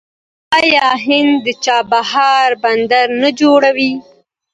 آیا هند د چابهار بندر نه جوړوي؟